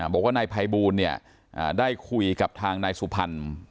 บอกว่านายภัยบูลได้คุยกับทางนายสุพรรณ